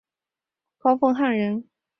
高凤翰人。